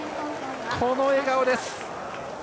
この笑顔です。